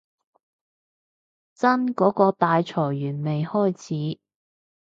真嗰個大裁員未開始